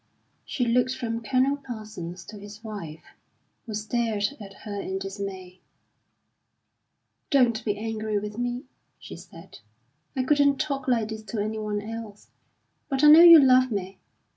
She looked from Colonel Parsons to his wife, who stared at her in dismay. "Don't be angry with me," she said; "I couldn't talk like this to anyone else, but I know you love me.